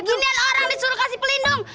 gini kan orang disuruh kasih pelindung